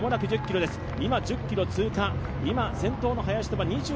今、１０ｋｍ通過。